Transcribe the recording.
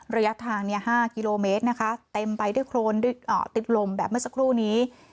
ระยะทาง๕กิโลเมตรนะคะเต็มไปด้วยโครนติดลมแบบเมื่อสักครู่นี้